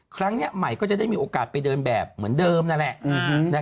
ครั้งนี้ใหม่ก็จะได้มีโอกาสไปเดินแบบเหมือนเดิมนั่นแหละ